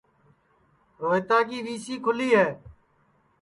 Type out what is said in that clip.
روہیتا کی ویسی کُھلی ہے